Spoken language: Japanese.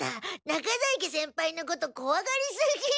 中在家先輩のことこわがりすぎ！